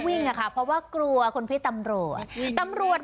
อ่ะค่ะเพราะว่ากลัวคนพี่ตำรวจตำรวจ